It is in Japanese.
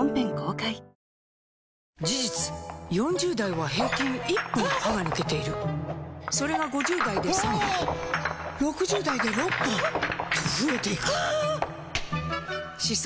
若手時代からさらにウソやん⁉事実４０代は平均１本歯が抜けているそれが５０代で３本６０代で６本と増えていく歯槽